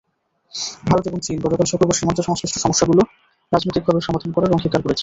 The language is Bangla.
ভারত এবং চীন গতকাল শুক্রবার সীমান্তসংশ্লিষ্ট সমস্যাগুলো রাজনৈতিকভাবে সমাধান করার অঙ্গীকার করেছে।